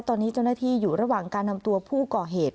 ตอนนี้เจ้าหน้าที่อยู่ระหว่างการนำตัวผู้ก่อเหตุ